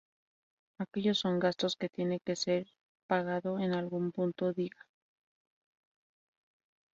Aquellos son gastos que tiene que ser pagado en algún punto", diga.